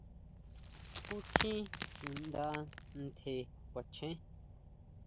¿Jutjín chuʼnda ntje kuachen?